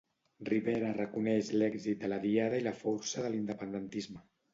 Rivera reconeix l'èxit de la Diada i la força de l'independentisme.